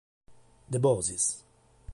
De Bosis